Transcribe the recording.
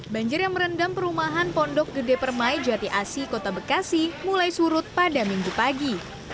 banjir yang merendam perumahan pondok gede permai jati asi kota bekasi mulai surut pada minggu pagi